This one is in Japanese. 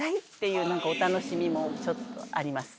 いうお楽しみもちょっとあります。